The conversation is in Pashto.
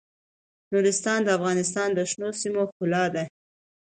نورستان د افغانستان د شنو سیمو ښکلا ده.